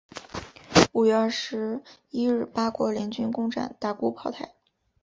五月二十一日八国联军攻战大沽炮台。